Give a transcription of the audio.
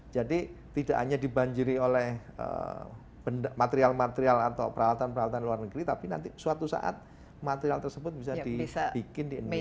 jadi tidak hanya dibanjiri oleh material material atau peralatan peralatan luar negeri tapi nanti suatu saat material tersebut bisa dibikin di indonesia